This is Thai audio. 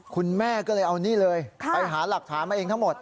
คุณแม่ก็เลยเอานี่เลยไปหาหลักฐานมาเองทั้งหมด